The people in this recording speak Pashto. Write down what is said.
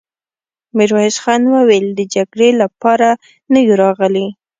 ميرويس خان وويل: د جګړې له پاره نه يو راغلي!